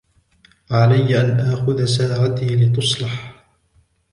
عليّ أن آخذ ساعتي لِتُصْلح.